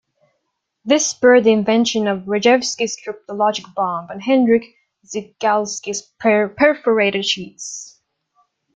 This spurred the invention of Rejewski's cryptologic bomb and Henryk Zygalski's perforated sheets.